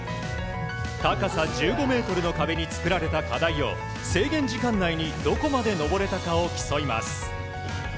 高さ１５ｍの壁に作られた課題を制限時間内にどこまで登れたかを競います。